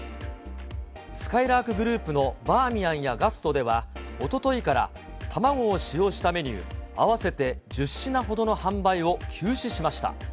すかいらーくグループのバーミヤンやガストでは、おとといから卵を使用したメニュー合わせて１０品ほどの販売を休止しました。